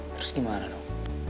terus gimana dong